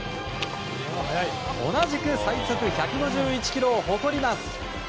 同じく最速１５１キロを誇ります。